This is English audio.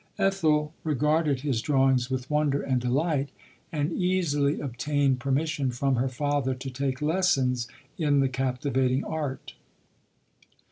LODORK. 53 Ethel regarded his drawings with wonder and delight, and easily obtained permission from her father to take lessons in the captivating art.